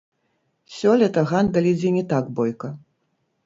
Сёлета гандаль ідзе не так бойка.